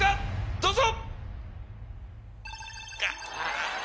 ⁉どうぞ！